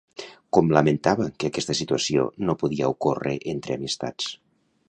Com lamentava que aquesta situació no podia ocórrer entre amistats?